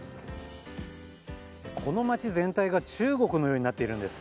この街全体が中国のようになっているんです。